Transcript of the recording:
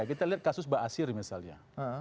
kita lihat kasus baasir misalnya